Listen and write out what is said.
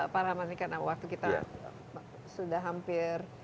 pak rahmat ini karena waktu kita sudah hampir